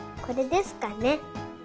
これですかね。